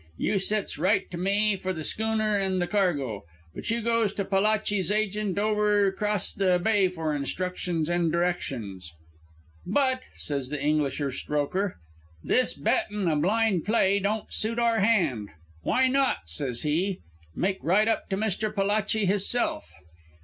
You sets right to me for the schooner and the cargo. But you goes to Palachi's agent over 'crost the bay for instructions and directions.' "'But,' says the Englisher, Strokher, 'this bettin' a blind play don't suit our hand. Why not' says he, 'make right up to Mister Palachi hisself?'